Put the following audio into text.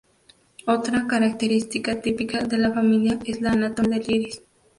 Otra característica típica de la familia es la anatomía del iris.